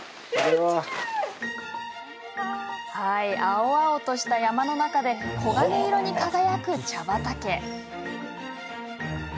青々とした山の中で黄金色に輝く茶畑。